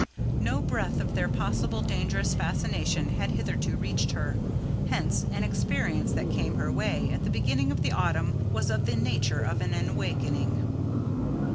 No breath of their possible dangerous fascination had hitherto reached her. Hence, an experience that came her way, at the beginning of the autumn was of the nature of an awakening.